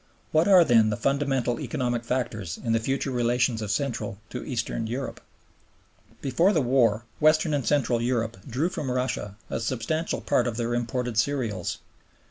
What are then the fundamental economic factors in the future relations of Central to Eastern Europe? Before the war Western and Central Europe drew from Russia a substantial part of their imported cereals.